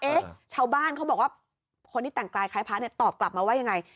ชาวบ้านเขาบอกว่าคนที่แต่งกายคล้ายพระเนี่ยตอบกลับมาว่ายังไง